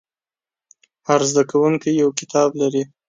هر زده کوونکی یو کتاب لري.